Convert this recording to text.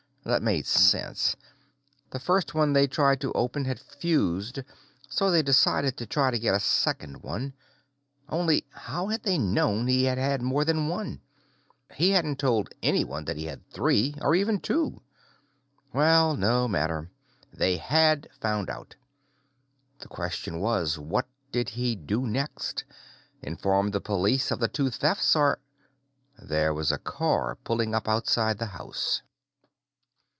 That made sense. The first one they'd tried to open had fused, so they decided to try to get a second one. Only how had they known he had had more than one? He hadn't told anyone that he had three or even two. Well, no matter. They had found out. The question was, what did he do next? Inform the police of the two thefts or There was a car pulling up outside the house.